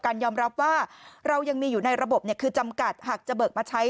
ยอมรับว่าเรายังมีอยู่ในระบบคือจำกัดหากจะเบิกมาใช้